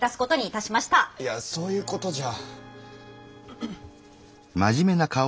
いやそういうことじゃ。